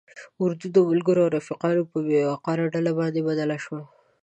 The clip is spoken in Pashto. اردو د ملګرو او رفیقانو په بې وقاره ډله باندې بدل شوه.